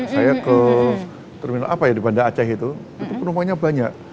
saya ke terminal apa ya di banda aceh itu itu penumpangnya banyak